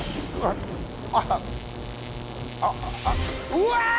うわ！